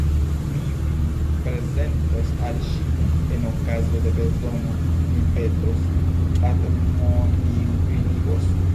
Mi vin prezentos al ŝi, en okazo de bezono mi petos, admoninklinigos.